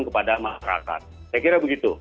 kepada masyarakat saya kira begitu